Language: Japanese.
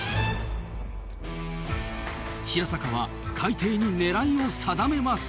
平坂は海底に狙いを定めます。